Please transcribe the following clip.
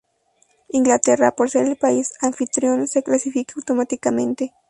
Inglaterra, por ser el país anfitrión se clasifica automáticamente.